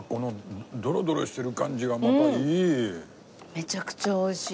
めちゃくちゃ美味しい。